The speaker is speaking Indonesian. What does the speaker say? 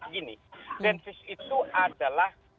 begini densus itu adalah